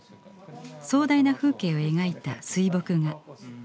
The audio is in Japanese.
壮大な風景を描いた水墨画。